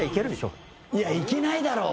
中居：いや、いけないだろう？